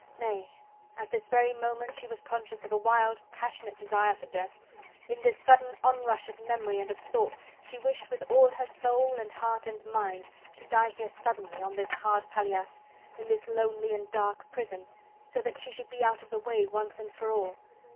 Nay! at this very moment she was conscious of a wild passionate desire for death.... In this sudden onrush of memory and of thought she wished with all her soul and heart and mind to die here suddenly, on this hard paillasse, in this lonely and dark prison... so that she should be out of the way once and for all...